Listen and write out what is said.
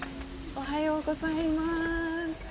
おはようございます。